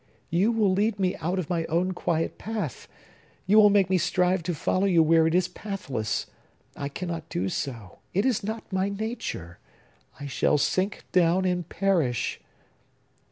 "You will lead me out of my own quiet path. You will make me strive to follow you where it is pathless. I cannot do so. It is not my nature. I shall sink down and perish!"